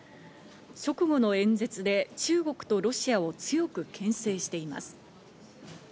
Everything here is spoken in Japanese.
直後の演説で中国とロシアを強く牽制しています。